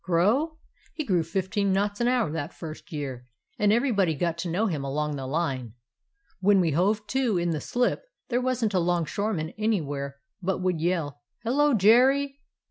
"Grow? He grew fifteen knots an hour that first year, and everybody got to know him all along the line. When we hove to in the slip there wasn't a longshoreman anywhere but would yell, 'Hello, Jerry!